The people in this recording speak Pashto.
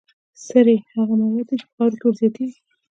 سرې هغه مواد دي چې په خاوره کې ور زیاتیږي.